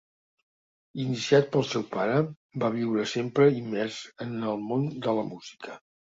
Iniciat pel seu pare, va viure sempre immers en el món de la música.